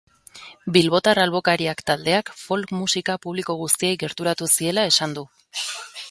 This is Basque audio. Bilbotar albokariak taldeak folk musika publiko guztiei gerturatu ziela esan du.